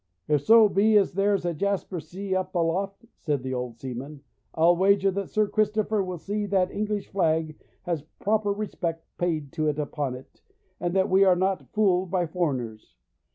'If so be as there's a jasper sea up aloft,' said the old seaman, 'I'll wager that Sir Christopher will see that the English flag has proper respect paid to it upon it, and that we are not fooled by foreigners.